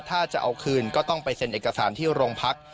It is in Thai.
ถ้าจะเอาคืนก็ต้องไปเซ็นเอกสารที่โรงพัก